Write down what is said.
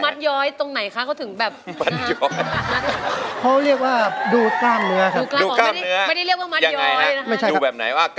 ถ้าพูดเฉยนะฮะก็แบบว่าจะไม่เห็นภาพอะคิดว่า